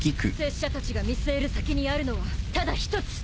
拙者たちが見据える先にあるのはただ一つ。